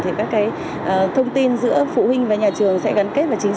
thì các thông tin giữa phụ huynh và nhà trường sẽ gắn kết